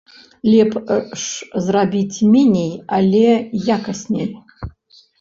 Лепш зрабіць меней, але якасней.